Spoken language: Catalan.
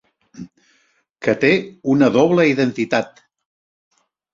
Que té una doble identitat.